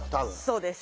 そうです。